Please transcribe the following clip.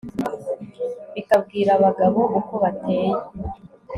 bikabwira abagabo uko bateye